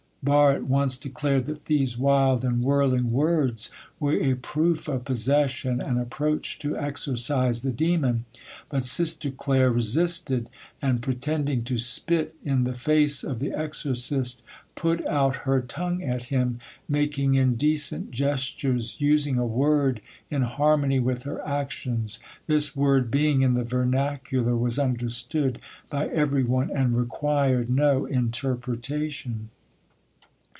Barre at once declared that these wild and whirling words were a proof of possession, and approached to exorcise the demon; but Sister Claire resisted, and pretending to spit in the face of the exorcist, put out her tongue at him, making indecent gestures, using a word in harmony with her actions. This word being in the vernacular was understood by everyone and required no interpretation.